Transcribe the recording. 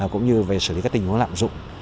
cũng như về xử lý các tình huống lạm dụng